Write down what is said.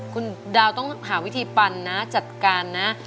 คุณดาวต้องหาวิธีปันนะจัดการนะ